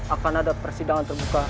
akan ada persidangan terbuka